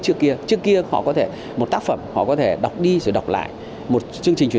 trước kia trước kia họ có thể một tác phẩm họ có thể đọc đi rồi đọc lại một chương trình truyền